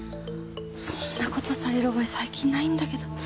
そんなことされる覚え最近ないんだけど。